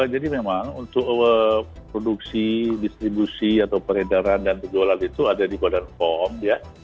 jadi memang untuk produksi distribusi atau peredaran dan penjualan itu ada di badan pom ya